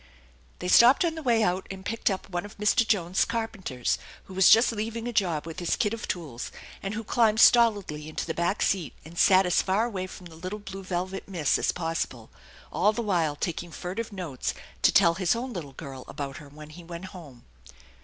They stopped on the way out, and picked up one of Mr. Jones's carpenters who was just leaving a job with his kit of tools, and who climbed stolidly into the back seat, and sat as far away from the little blue velvet miss as possible, all the while taking furtive notes to tell his own little girl about her when he went home.